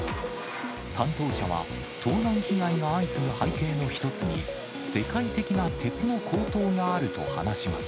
担当者は、盗難被害が相次ぐ背景の一つに、世界的な鉄の高騰があると話します。